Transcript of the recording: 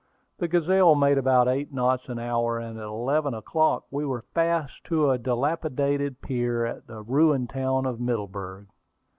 The Gazelle made about eight knots an hour, and at eleven o'clock we were fast to a dilapidated pier at the ruined town of Middleburg.